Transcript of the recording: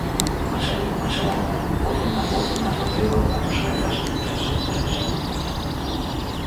Más a la izquierda, corre un arroyuelo al que acuden dos garzas negras.